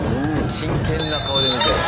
真剣な顔で見てる。